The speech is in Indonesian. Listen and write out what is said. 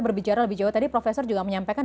berbicara lebih jauh tadi profesor juga menyampaikan